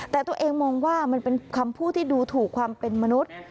แต่ตัวเองมองว่ามันเป็นคำพูดที่ดูถูกความเป็นมนุษย์